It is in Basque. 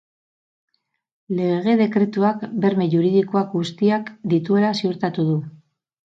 Lege-dekretuak berme juridikoak guztiak dituela ziurtatu du.